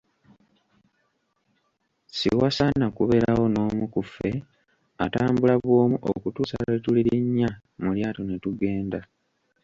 Siwasaana kubeerawo n'omu ku ffe atambula bw'omu okutuusa lwe tulirinnya mu lyato ne tugenda.